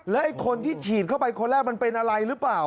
ไอ้คนที่ฉีดเข้าไปคนแรกมันเป็นอะไรหรือเปล่า